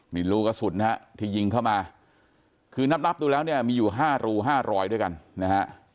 นี่รูกระสุนนะฮะที่ยิงเข้ามาคือนับนับดูแล้วเนี่ยมีอยู่๕รู๕รอยด้วยกันนะฮะ